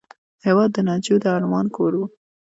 هېواد د نجو د ارمان کور دی.